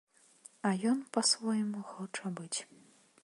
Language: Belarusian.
А ён па-свойму хоча быць.